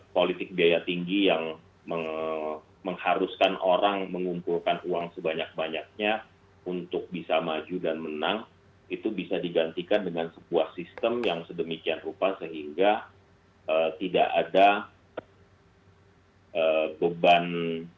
politik biaya tinggi yang mengharuskan orang mengumpulkan uang sebanyak banyaknya untuk bisa maju dan menang itu bisa digantikan dengan sebuah sistem yang sedemikian rupa sehingga tidak ada beban